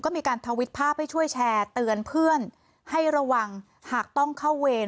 มีการทวิตภาพให้ช่วยแชร์เตือนเพื่อนให้ระวังหากต้องเข้าเวร